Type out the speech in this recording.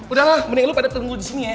udahlah mending lu pada tunggu di sini ya